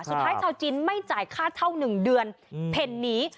สุดท้ายชาวจีนไม่จ่ายค่าเท่า๑เดือนเผ็นนี้